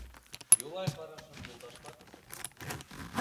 Юлай ҡарашын Юлдашҡа күсерҙе.